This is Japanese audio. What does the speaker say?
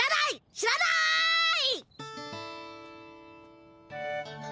知らない！